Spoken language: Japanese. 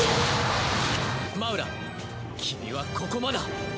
マウラ君はここまでだ。